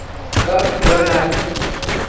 God we're going to have fun.